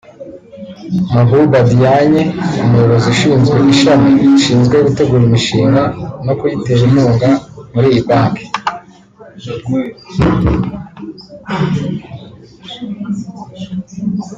Mabouba Diagne umuyobozi ushinzwe ishami rishinzwe gutegura imishinga no kuyitera inkunga muri iyi banki